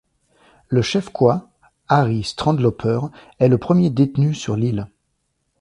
Le chef Khoi, Harry Strandloper, est le premier détenu sur l'île.